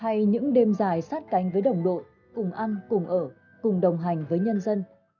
hay những đêm dài sát cánh với đồng đội cùng ăn cùng ở cùng đồng hành với nhân dân